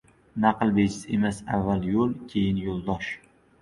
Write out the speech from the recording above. Naql bejiz emas: avval yo‘l, keyin yo‘ldosh.